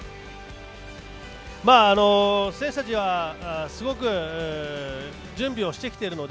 選手たちは、すごく準備してきているので。